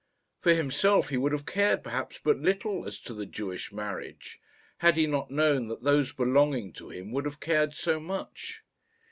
For himself he would have cared, perhaps, but little as to the Jewish marriage, had he not known that those belonging to him would have cared so much.